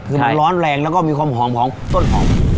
คือมันร้อนแรงแล้วก็มีความหอมของต้นหอม